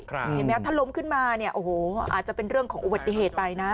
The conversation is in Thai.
เห็นไหมถ้าล้มขึ้นมาเนี่ยโอ้โหอาจจะเป็นเรื่องของอุบัติเหตุไปนะ